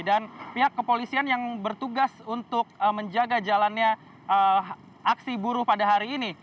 dan pihak kepolisian yang bertugas untuk menjaga jalannya aksi buruh pada hari ini